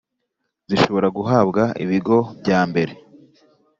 zishobora guhabwa ibigo bya mbere